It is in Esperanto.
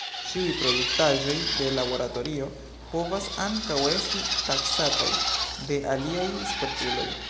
Ĉiuj produktaĵoj de laboratorio povas ankaŭ estis taksataj de aliaj spertuloj.